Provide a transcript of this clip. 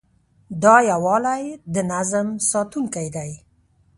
دا یووالی د نظم ساتونکی دی.